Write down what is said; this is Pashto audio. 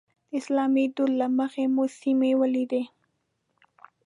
د اسلامي دود له مخې مو سیمې ولیدې.